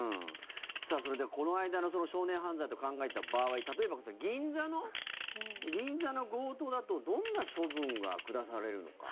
それではこの間の少年犯罪と考えた場合例えば、銀座の強盗だとどんな処分が下されるのか。